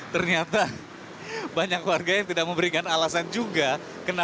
ternyata banyak warga yang tidak memberikan alasan juga kenapa mereka tidak menggunakan jembatan penyeberangan